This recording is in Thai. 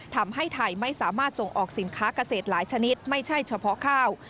ทำให้ไทยไม่สามารถส่งออกสินค้าเกษตรหลายชนิดไม่ใช่เฉพาะข้าว